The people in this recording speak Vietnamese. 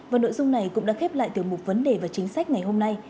và nội dung này cũng đã khép lại tiểu mục vấn đề và chính sách ngày hôm nay